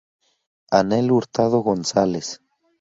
Anel Hurtado González.